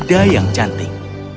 dan muda yang cantik